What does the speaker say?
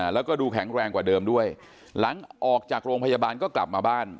แล้วก็ดูแข็งแรงกว่าเดิมด้วยหลังออกจากโรงพยาบาลก็กลับมาบ้าน